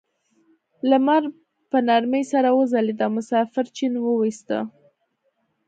لمر په نرمۍ سره وځلید او مسافر چپن وویسته.